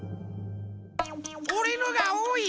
おれのがおおい？